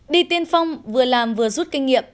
đi tiên phong vừa làm vừa rút kinh nghiệm